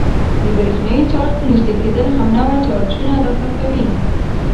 د برېښنايي چارج نژدې کېدل همنوع چارجونه دفع کوي.